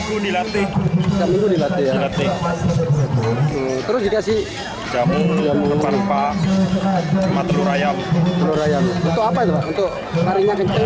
untuk apa itu untuk karangnya kencang